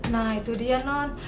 nah itu dia non